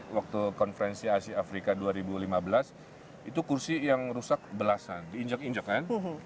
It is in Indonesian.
waktu konferensi asia afrika dua ribu lima belas itu kursi yang rusak belasan diinjak injak kan